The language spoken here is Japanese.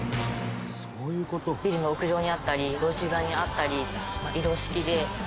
ビルの屋上にあったり路地裏にあったり移動式で。